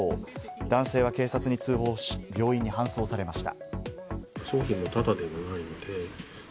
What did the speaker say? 男性は警察に通報し、病院に搬送されました。